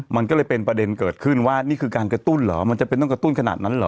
มันก็เลยเป็นประเด็นเกิดขึ้นว่านี่คือการกระตุ้นเหรอมันจำเป็นต้องกระตุ้นขนาดนั้นเหรอ